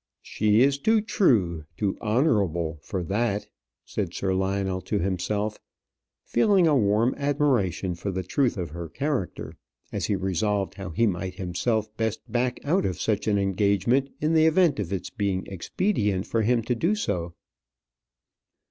"She is too true, too honourable for that," said Sir Lionel to himself, feeling a warm admiration for the truth of her character, as he resolved how he might himself best back out of such an engagement in the event of its being expedient for him so to do.